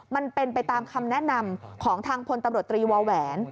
มันเป็นไปตามคำแนะนำของทางพลตำรวจตรีวาแหวน